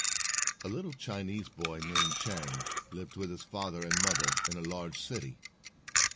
A little Chinese boy, named Chang, lived with his father and mother in a large city.